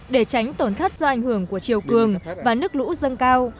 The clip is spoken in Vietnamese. để tránh tổn thất do ảnh hưởng của chiều cường và nước lũ dâng cao